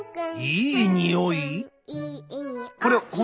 いいにおい！？